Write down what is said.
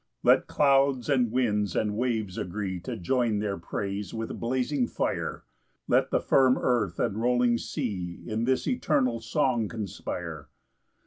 5 Let clouds, and winds, and waves agree To join their praise with blazing fire; Let the firm earth, and rolling sea, In this eternal song conspire.